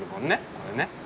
これね。